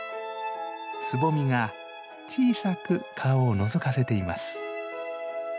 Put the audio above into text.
つぼみが小さく顔をのぞかせています。